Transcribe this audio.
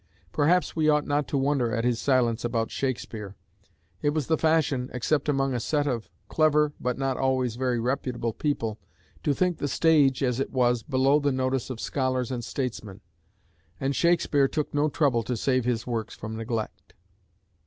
Perhaps we ought not to wonder at his silence about Shakespeare. It was the fashion, except among a set of clever but not always very reputable people, to think the stage, as it was, below the notice of scholars and statesmen; and Shakespeare took no trouble to save his works from neglect.